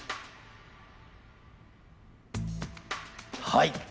はい！